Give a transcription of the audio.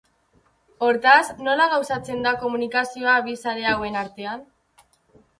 Hortaz, nola gauzatzen da komunikazioa bi sare hauen artean?